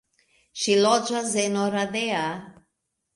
Ŝi loĝas en Oradea.